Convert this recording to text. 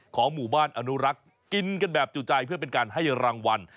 ของหมู่บ้านอนุรักษ์กินกันแบบจู่ใจเพื่อเป็นการให้รางวัล